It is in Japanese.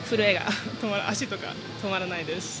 足とか震えが止まらないです。